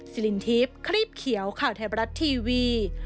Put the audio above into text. สิรินทิพย์ครีบเขียวข่าวไทยบรัฐทีวี